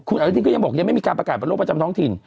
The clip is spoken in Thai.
คุณอนุทินก็ยังบอกยังไม่มีการประกาศบนโลกประจำท้องถิ่น